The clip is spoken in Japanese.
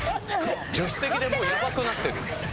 助手席でもうやばくなってる。